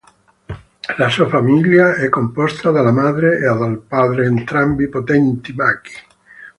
La sua famiglia è composta dalla madre e dal padre, entrambi potenti maghi.